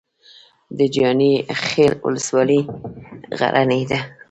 د جاني خیل ولسوالۍ غرنۍ ده